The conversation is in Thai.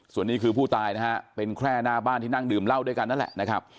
ส่วนนี้คือผู้ตายนะฮะเป็นแค่หน้าบ้านที่นั่งดื่มเหล้าด้วยกันนั่นแหละนะครับ